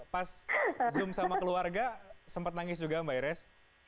pas zoom sama keluarga sempat nangis juga mbak ires